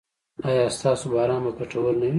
ایا ستاسو باران به ګټور نه وي؟